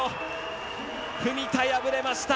文田、破れました。